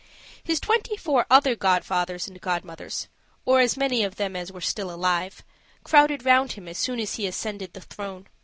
His twenty four other godfathers and godmothers, or as many of them as were still alive, crowded round him as soon as he ascended the throne.